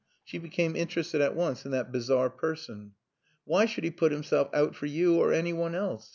She became interested at once in that bizarre person. "Why should he put himself out for you or any one else?